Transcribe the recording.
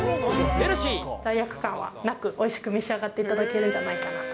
罪悪感はなく、おいしく召し上がっていただけるんじゃないかと。